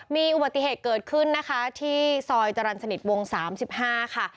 มีอุบัติเหตุเกิดขึ้นนะคะที่ซอยจรรย์สนิทวง๓๕ค่ะ